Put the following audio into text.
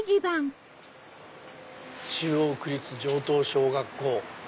中央区立城東小学校。